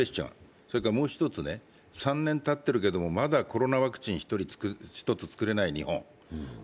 それから３年たっているけどまだコロナワクチン一つ作れない日本。